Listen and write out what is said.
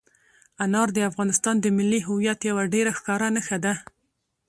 انار د افغانستان د ملي هویت یوه ډېره ښکاره نښه ده.